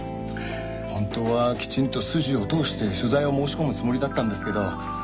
本当はきちんと筋を通して取材を申し込むつもりだったんですけど。